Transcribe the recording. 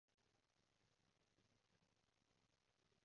我想約醫生覆診